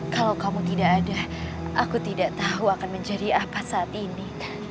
kalau kamu tidak ada aku tidak tahu akan menjadi apa saat ini